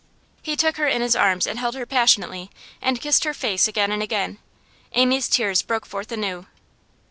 He took her in his arms and held her passionately and kissed her face again and again. Amy's tears broke forth anew.